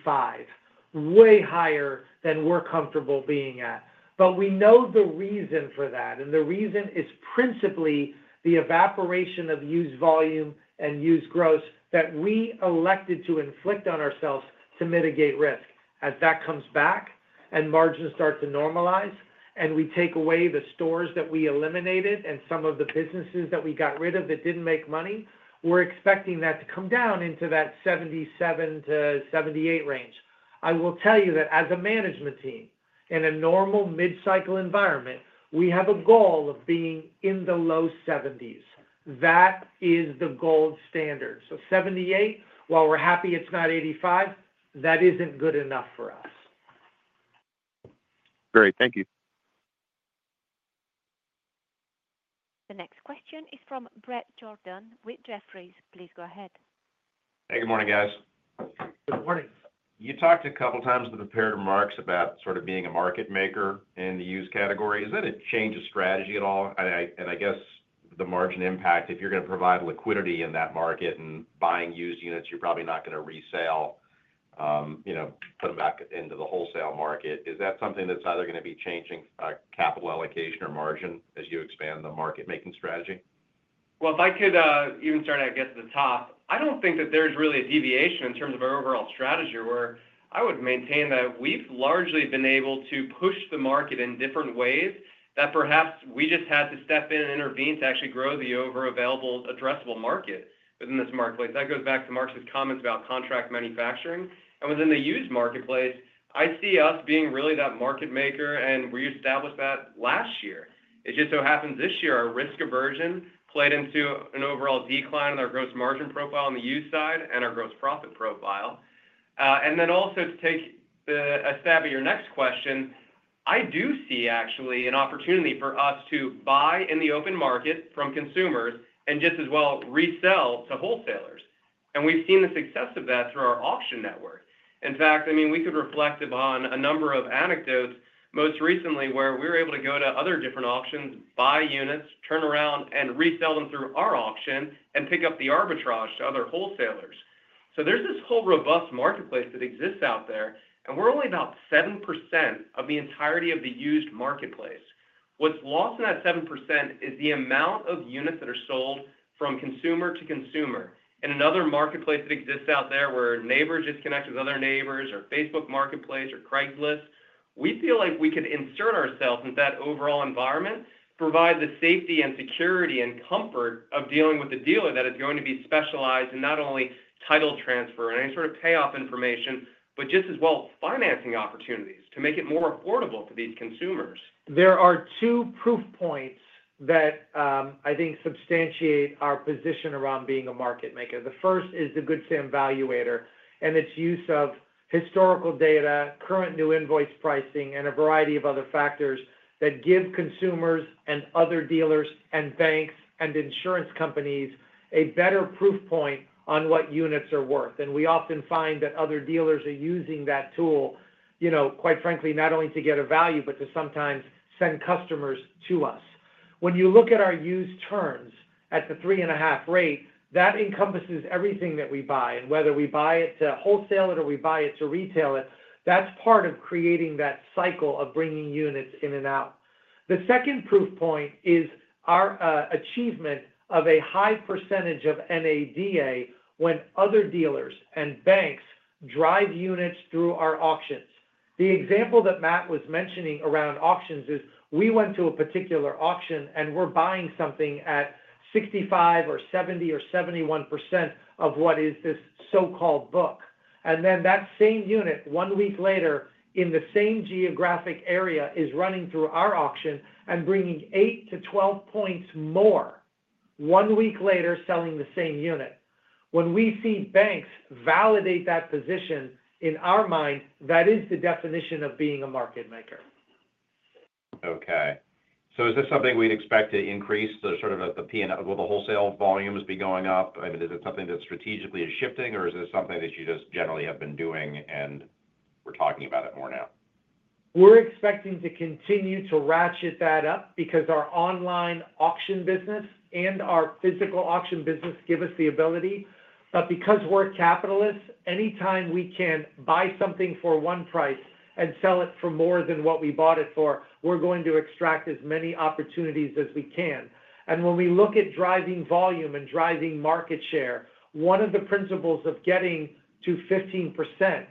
85%, way higher than we're comfortable being at. But we know the reason for that. And the reason is principally the evaporation of used volume and used gross that we elected to inflict on ourselves to mitigate risk. As that comes back and margins start to normalize and we take away the stores that we eliminated and some of the businesses that we got rid of that didn't make money, we're expecting that to come down into that 77%-78% range. I will tell you that as a management team in a normal mid-cycle environment, we have a goal of being in the low 70s%. That is the gold standard. So 78%, while we're happy it's not 85%, that isn't good enough for us. Great. Thank you. The next question is from Bret Jordan with Jefferies. Please go ahead. Hey, good morning, guys. Good morning. You talked a couple of times in your prepared remarks about sort of being a market maker in the used category. Is that a change of strategy at all? And I guess the margin impact, if you're going to provide liquidity in that market and buying used units, you're probably not going to resell, put them back into the wholesale market. Is that something that's either going to be changing capital allocation or margin as you expand the market-making strategy? If I could even start, I guess, at the top, I don't think that there's really a deviation in terms of our overall strategy where I would maintain that we've largely been able to push the market in different ways that perhaps we just had to step in and intervene to actually grow the overall total addressable market within this marketplace. That goes back to Marcus's comments about contract manufacturing. Within the used marketplace, I see us being really that market maker, and we established that last year. It just so happens this year, our risk aversion played into an overall decline in our gross margin profile on the used side and our gross profit profile. And then also to take a stab at your next question, I do see actually an opportunity for us to buy in the open market from consumers and just as well resell to wholesalers. And we've seen the success of that through our auction network. In fact, I mean, we could reflect upon a number of anecdotes most recently where we were able to go to other different auctions, buy units, turn around and resell them through our auction, and pick up the arbitrage to other wholesalers. So there's this whole robust marketplace that exists out there, and we're only about 7% of the entirety of the used marketplace. What's lost in that 7% is the amount of units that are sold from consumer to consumer. In another marketplace that exists out there where neighbors just connect with other neighbors or Facebook Marketplace or Craigslist, we feel like we could insert ourselves into that overall environment, provide the safety and security and comfort of dealing with a dealer that is going to be specialized in not only title transfer and any sort of payoff information, but just as well financing opportunities to make it more affordable for these consumers. There are two proof points that I think substantiate our position around being a market maker. The first is the Good Sam Valuator and its use of historical data, current new invoice pricing, and a variety of other factors that give consumers and other dealers and banks and insurance companies a better proof point on what units are worth. And we often find that other dealers are using that tool, quite frankly, not only to get a value, but to sometimes send customers to us. When you look at our used terms at the three and a half rate, that encompasses everything that we buy. And whether we buy it to wholesale it or we buy it to retail it, that's part of creating that cycle of bringing units in and out. The second proof point is our achievement of a high percentage of NADA when other dealers and banks drive units through our auctions. The example that Matt was mentioning around auctions is we went to a particular auction and we're buying something at 65% or 70% or 71% of what is this so-called book, and then that same unit, one week later in the same geographic area, is running through our auction and bringing 8-12 points more, one week later selling the same unit. When we see banks validate that position, in our mind, that is the definition of being a market maker. Okay. So is this something we'd expect to increase sort of at the P&L? Will the wholesale volumes be going up? I mean, is it something that strategically is shifting, or is this something that you just generally have been doing and we're talking about it more now? We're expecting to continue to ratchet that up because our online auction business and our physical auction business give us the ability. But because we're capitalists, anytime we can buy something for one price and sell it for more than what we bought it for, we're going to extract as many opportunities as we can. And when we look at driving volume and driving market share, one of the principles of getting to 15%,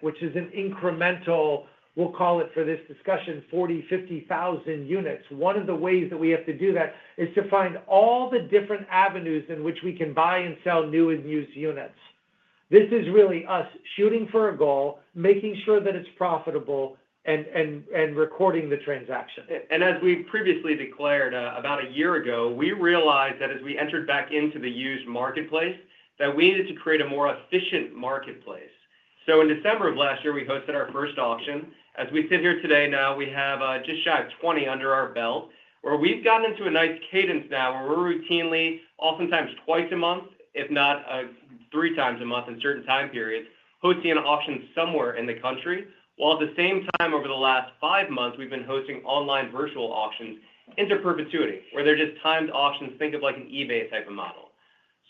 which is an incremental, we'll call it for this discussion, 40,000, 50,000 units, one of the ways that we have to do that is to find all the different avenues in which we can buy and sell new and used units. This is really us shooting for a goal, making sure that it's profitable, and recording the transaction. And as we previously declared about a year ago, we realized that as we entered back into the used marketplace, that we needed to create a more efficient marketplace. So in December of last year, we hosted our first auction. As we sit here today, now we have just shy of 20 under our belt where we've gotten into a nice cadence now where we're routinely, oftentimes twice a month, if not three times a month in certain time periods, hosting an auction somewhere in the country. While at the same time, over the last five months, we've been hosting online virtual auctions into perpetuity, where they're just timed auctions, think of like an eBay type of model.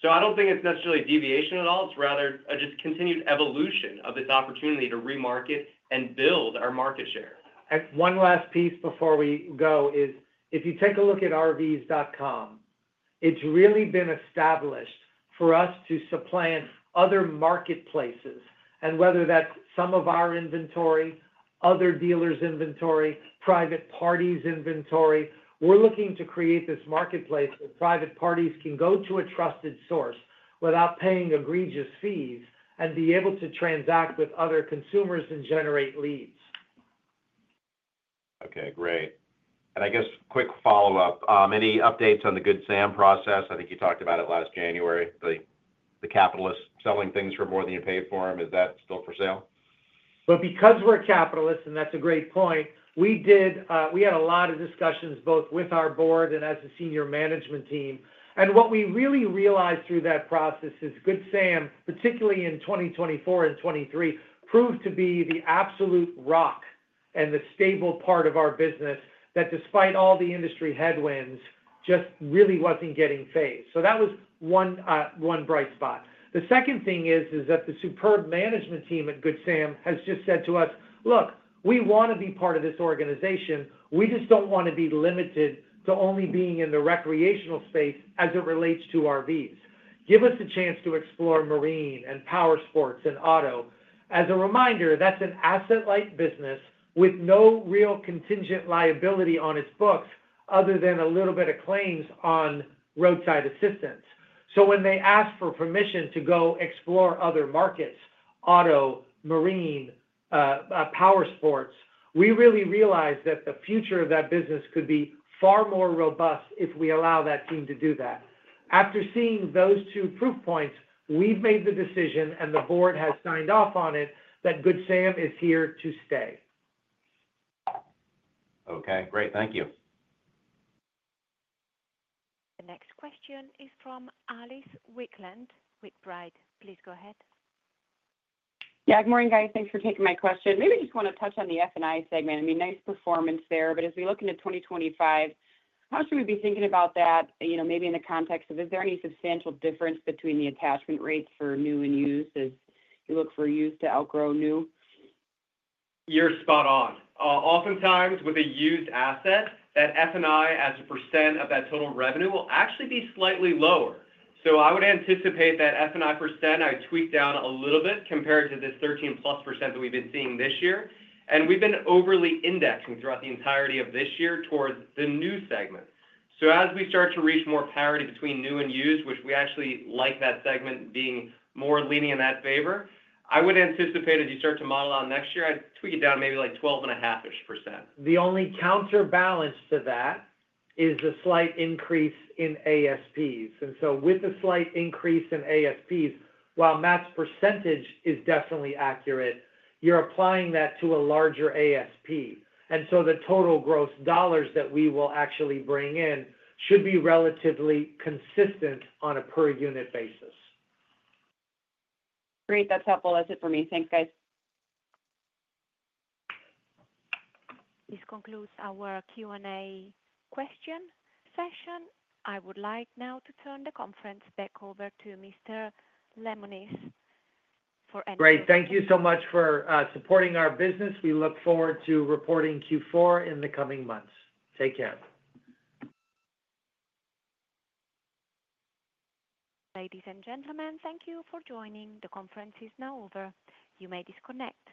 So I don't think it's necessarily a deviation at all. It's rather a just continued evolution of this opportunity to remarket and build our market share. One last piece before we go is if you take a look at RVs.com. It's really been established for us to supplant other marketplaces, and whether that's some of our inventory, other dealers' inventory, private parties' inventory, we're looking to create this marketplace where private parties can go to a trusted source without paying egregious fees and be able to transact with other consumers and generate leads. Okay. Great. And I guess quick follow-up, any updates on the Good Sam process? I think you talked about it last January, the capital assets selling things for more than you paid for them. Is that still for sale? Because we're capitalists, and that's a great point, we had a lot of discussions both with our board and as a senior management team. What we really realized through that process is Good Sam, particularly in 2024 and 2023, proved to be the absolute rock and the stable part of our business that despite all the industry headwinds, just really wasn't getting fazed. That was one bright spot. The second thing is that the superb management team at Good Sam has just said to us, "Look, we want to be part of this organization. We just don't want to be limited to only being in the recreational space as it relates to RVs. Give us a chance to explore marine and powersports and auto." As a reminder, that's an asset-light business with no real contingent liability on its books other than a little bit of claims on roadside assistance. So when they asked for permission to go explore other markets, auto, marine, powersports, we really realized that the future of that business could be far more robust if we allow that team to do that. After seeing those two proof points, we've made the decision, and the board has signed off on it, that Good Sam is here to stay. Okay. Great. Thank you. The next question is from Alice Wycklendt with Baird. Please go ahead. Yeah. Good morning, guys. Thanks for taking my question. Maybe I just want to touch on the F&I segment. I mean, nice performance there. But as we look into 2025, how should we be thinking about that maybe in the context of is there any substantial difference between the attachment rates for new and used as you look for used to outgrow new? You're spot on. Oftentimes, with a used asset, that F&I as a percent of that total revenue will actually be slightly lower. So I would anticipate that F&I percent I tweaked down a little bit compared to this 13%+ that we've been seeing this year. And we've been overly indexing throughout the entirety of this year towards the new segment. So as we start to reach more parity between new and used, which we actually like that segment being more leaning in that favor, I would anticipate as you start to model out next year, I'd tweak it down maybe like 12.5-ish percent. The only counterbalance to that is the slight increase in ASPs, and so with the slight increase in ASPs, while Matt's percentage is definitely accurate, you're applying that to a larger ASP, and so the total gross dollars that we will actually bring in should be relatively consistent on a per unit basis. Great. That's helpful. That's it for me. Thanks, guys. This concludes our Q&A question session. I would like now to turn the conference back over to Mr. Lemonis for any. Great. Thank you so much for supporting our business. We look forward to reporting Q4 in the coming months. Take care. Ladies and gentlemen, thank you for joining. The conference is now over. You may disconnect.